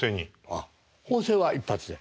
あっ法政は一発で？